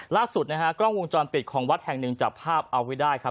ล่าสุดนะฮะกล้องวงจรปิดของวัดแห่งหนึ่งจับภาพเอาไว้ได้ครับ